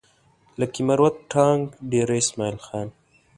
لکي مروت ټانک ډېره اسماعيل خان